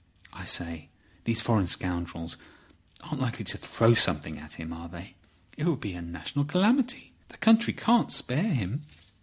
I say, these foreign scoundrels aren't likely to throw something at him—are they? It would be a national calamity. The country can't spare him."